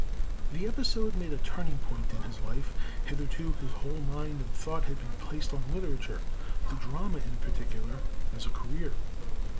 The episode made a turning point in his life. Hitherto his whole mind and thought had been placed on literature, the drama in particular, as a career.